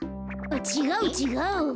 ちがうちがう。